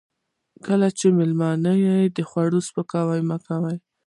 کله چې مېلمه يې د خوړو سپکاوی مه کوه.